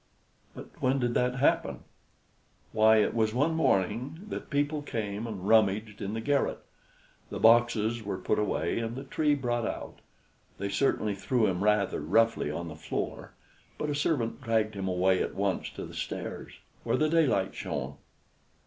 But when did that happen? Why, it was one morning that people came and rummaged in the garret; the boxes were put away, and the Tree brought out; they certainly threw him rather roughly on the floor, but a servant dragged him away at once to the stairs, where the daylight shone.